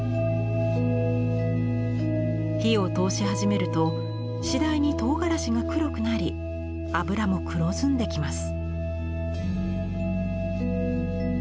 火を通し始めると次第に唐辛子が黒くなり油も黒ずんできます。